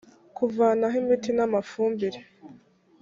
kuvanaho imiti n’amafumbire